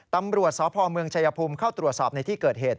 ตำรวจสพเมืองชายภูมิเข้าตรวจสอบในที่เกิดเหตุ